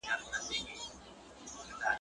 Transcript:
o خپل گور هر چا ته تنگ ښکاري.